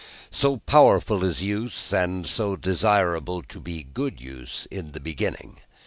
So powerful is use, and so desirable to be good use in the beginning.